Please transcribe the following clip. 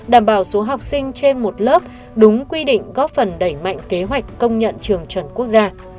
đảm bảo số học sinh trên một lớp đúng quy định góp phần đẩy mạnh kế hoạch công nhận trường chuẩn quốc gia